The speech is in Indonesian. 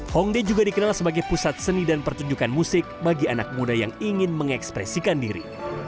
hongdae juga dikenal sebagai pusat seni dan pertunjukan musik bagi anak muda yang ingin mengekspresikan diri